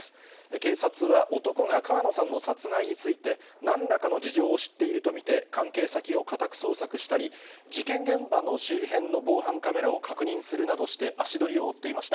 警察は、男が川野さんの殺害について、なんらかの事情を知っていると見て、関係先を家宅捜索したり、事件現場の周辺の防犯カメラを確認するなどして、足取りを追っていました。